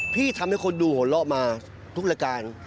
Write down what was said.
พี่ทำให้คนดูหัวเราะมาทุกรายการ